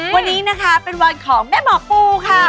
วันนี้นะคะเป็นวันของแม่หมอปูค่ะ